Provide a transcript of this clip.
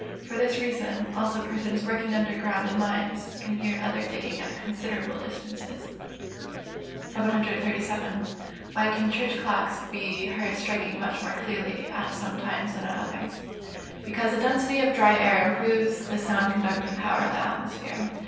For this reason, also, persons working under ground in mines can hear each other digging at considerable distances. 737. Why can church clocks be heard striking much more clearly at some times than at others? Because the density of dry air improves the sound conducting power of the atmosphere.